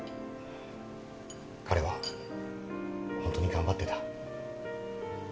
彼はホントに頑張ってた。